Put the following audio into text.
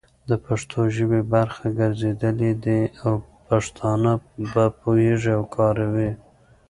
د پښتو ژبې برخه ګرځېدلي دي او پښتانه په پوهيږي او کاروي يې،